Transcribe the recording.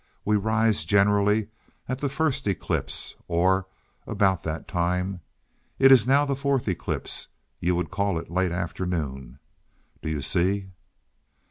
We rise generally at the first eclipse or about that time. It is now the fourth eclipse; you would call it late afternoon. Do you see?"